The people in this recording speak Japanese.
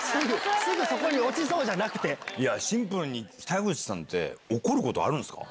すぐそこに落ちそうじゃなくいや、シンプルに北口さんって怒ることあるんですか？